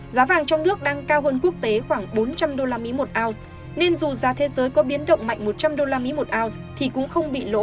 giá vàng trong nước đang cao hơn quốc tế khoảng bốn trăm linh usd một ounce nên dù giá thế giới có biến động mạnh một trăm linh usd một ounce thì cũng không bị lỗ